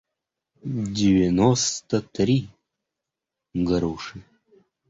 девяносто три груши